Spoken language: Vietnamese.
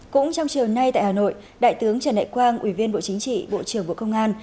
cũng trong chiều nay tại hà nội đại tướng trần đại quang ủy viên bộ chính trị bộ trưởng bộ công an